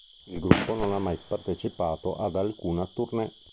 Il gruppo non ha mai partecipato ad alcuna tournée.